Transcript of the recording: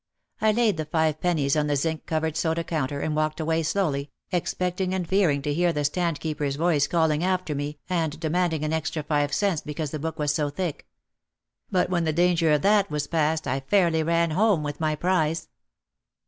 I laid the five pennies on the zinc covered soda counter and walked away slowly, expecting and fearing to hear the standkeeper's voice calling after me and demanding an extra five cents because the book was so thick. But when the danger of that was passed I fairly ran home with my prize.